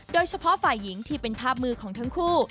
โดยเฉพาะฝ่ายหญิงที่เป็นภาพมือของทั้งคู่